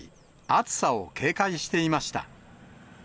暑さを警戒していました。